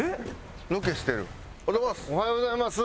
おはようございます。